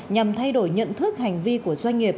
nhằm thay đổi nhận thức hành vi của doanh nghiệp